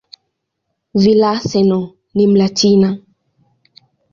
Villaseñor ni "Mlatina".